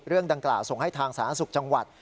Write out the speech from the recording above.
เรื่องดังกล่าวส่งให้ทางสาธารณสุขจังหวัด